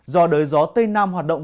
do đới gió tây nam hoạt động